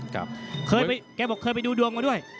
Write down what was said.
เคยไปดูดวงมาด้วย